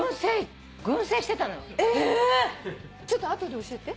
ちょっと後で教えて。